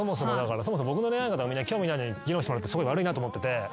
そもそも僕の恋愛みんな興味ないのに議論してもらってすごい悪いなと思ってて。